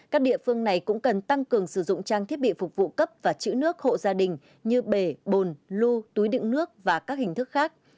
các địa phương này cũng cần tăng cường sử dụng trang thiết bị phục vụ cấp và chữ nước hộ gia đình như bể bồn lưu túi đựng nước và các hình thức khác